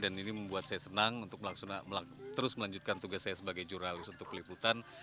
dan ini membuat saya senang untuk terus melanjutkan tugas saya sebagai jurnalis untuk peliputan